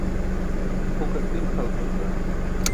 Hukar ti̇n pʰal etum juwan.